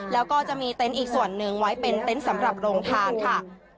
แล้วก็จะมีเต็นต์อีกส่วนหนึ่งไว้เป็นเต็นต์สำหรับโรงทานค่ะ